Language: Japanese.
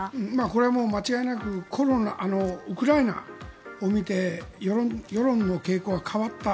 これは間違いなくウクライナを見て世論の傾向が変わった。